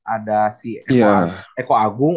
ada si eko agung